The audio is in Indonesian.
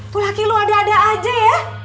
tuh laki lu ada ada aja ya